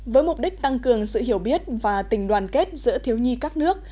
với mục đích tăng cường sự hiểu biết và tình đoàn kết giữa thiếu nhi các nước